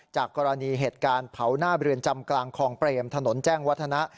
จากกรณีเหตุการณ์เผาหน้าเรือนจำกลางคลองเปรมถนนแจ้งวัฒนะ